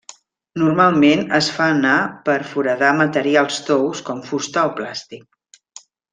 Normalment es fa anar per a foradar materials tous com fusta o plàstic.